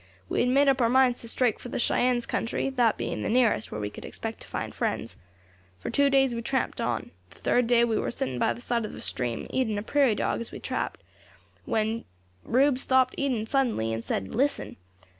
We had made up our minds to strike for the Cheyennes' country, that being the nearest where we could expect to find friends. For two days we tramped on. The third day we war sitting by the side of a stream, eating a prairie dog as we had trapped, when Rube stopped eating suddenly, and said, 'Listen!'